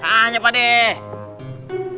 ah nyapa deh